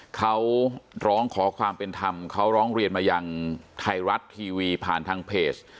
เขาร้องขอความเป็นธรรมเขาร้องเรียนมายังไทยรัฐทีวีผ่านทางเพจ